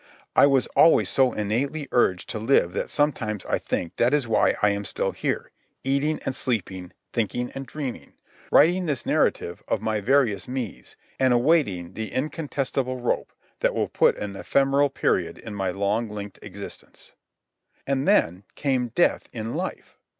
I was always so innately urged to live that sometimes I think that is why I am still here, eating and sleeping, thinking and dreaming, writing this narrative of my various me's, and awaiting the incontestable rope that will put an ephemeral period in my long linked existence. And then came death in life.